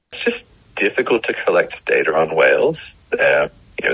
hanya sulit untuk mengumpulkan data tentang hewan hewan